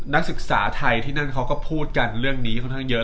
นักศึกษาไทยที่นั่นเขาก็พูดกันเรื่องนี้ค่อนข้างเยอะ